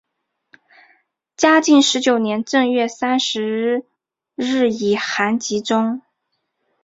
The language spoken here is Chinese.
嘉靖十九年正月三十日以寒疾终。